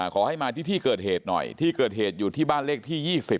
ขอให้มาที่ที่เกิดเหตุหน่อยที่เกิดเหตุอยู่ที่บ้านเลขที่๒๐